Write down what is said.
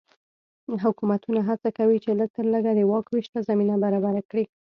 حکومتونه هڅه کوي چې لږ تر لږه د واک وېش ته زمینه برابره کړي.